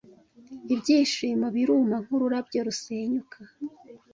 ibyishimo biruma nkururabyo rusenyuka